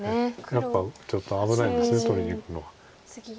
やっぱりちょっと危ないんです取りにいくのは。